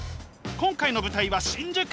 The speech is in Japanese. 今回の舞台は新宿！